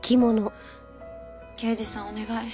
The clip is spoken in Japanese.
刑事さんお願い。